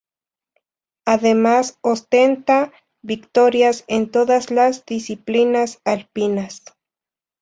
Además ostenta victorias en todas las disciplinas alpinas.